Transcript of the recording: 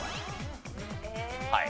はい。